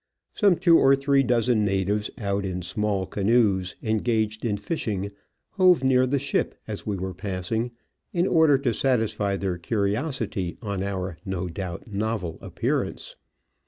Some two or three dozen natives, out in small canoes, engaged in fishing, hove near the ship as we were passing, in order to satisfy their curiosity on our no doubt novel appearance.